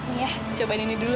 ini ya cobain ini dulu